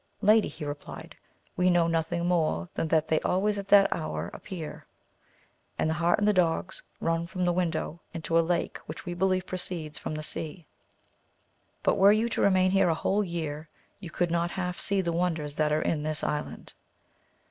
Lady, he replied, we know nothing more than that always at that hour they appear; and the hart and the dogs run from the window into a lake which we believe proceeds from the sea, but were you to remain here a whole year you could not see half the wonders that are in this island.